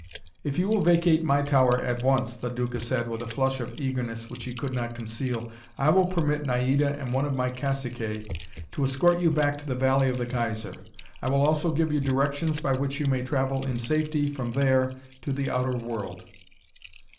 "If you will vacate my tower at once," the Duca said with a flush of eagerness which he could not conceal, "I will permit Naida and one of my caciques to escort you back to the Valley of the Geyser. I will also give you directions by which you may travel in safety from there to the outer world."